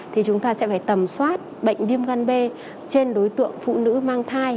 thì chúng ta sẽ phải tầm soát bệnh viêm gan b trên đối tượng phụ nữ mang thai